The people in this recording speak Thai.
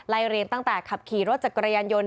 เรียนตั้งแต่ขับขี่รถจักรยานยนต์